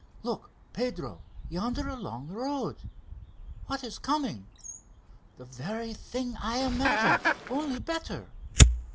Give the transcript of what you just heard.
Look, Pedro, yonder along the road. What is coming? The very thing I imagined, only better!